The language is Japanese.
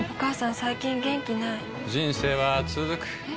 最近元気ない人生はつづくえ？